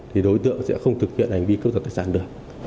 thì đối tượng sẽ không thực hiện hành vi cướp giật tài sản được